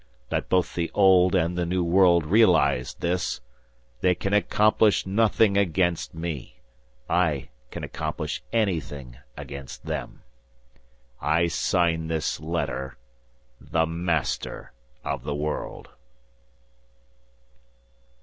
Let both the Old and the New World realize this: They can accomplish nothing against me; I can accomplish anything against them. I sign this letter: The Master of the World.